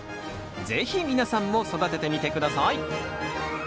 是非皆さんも育ててみて下さい。